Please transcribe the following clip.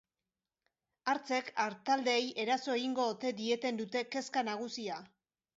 Hartzek artaldeei eraso egingo ote dieten dute kezka nagusia.